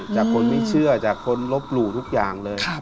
จากคนที่เชื่อจากคนลบหลู่ทุกอย่างเลย